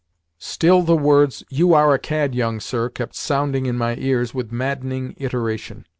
Still the words, "You are a cad, young sir," kept sounding in my ears with maddening iteration.